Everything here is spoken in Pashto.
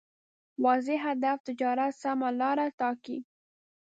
واضح هدف تجارت سمه لاره ټاکي.